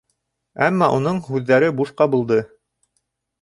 Әммә уның һүҙҙәре бушҡа булды.